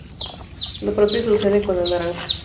Lo propio sucede con la naranja.